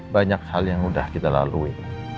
banyak hal yang sudah kita lalui